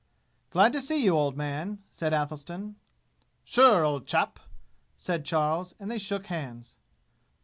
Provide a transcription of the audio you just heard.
"Glad to see you, old man," said Athelstan. "Sure, old chap!" said Charles; and they shook hands.